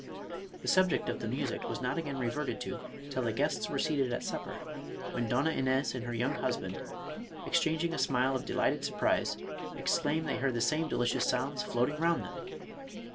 The subject of the music was not again reverted to till the guests were seated at supper, when Donna Ines and her young husband, ex changing a smile of delighted surprise, exclaimed they heard the same delicious sounds floating round them.